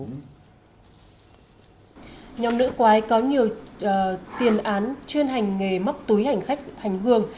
nhóm nữ quái có nhiều tiền án chuyên hành nghề móc túi hành khách hành hương